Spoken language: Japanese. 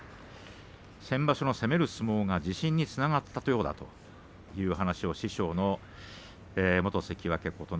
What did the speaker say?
先場所の攻める相撲が自信につながったようだという話。